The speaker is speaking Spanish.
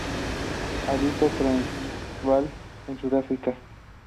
Habita en Transvaal, en Sudáfrica.